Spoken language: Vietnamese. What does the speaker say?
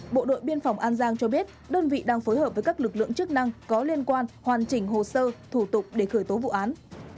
bộ đội biên phòng an giang cho biết đơn vị đang phối hợp với các lực lượng chức năng có liên quan hoàn chỉnh hồ sơ thủ tục để khởi tố vụ án